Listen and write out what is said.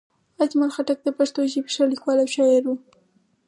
اجمل خټک د پښتو ژبې ښه لیکوال او شاعر وو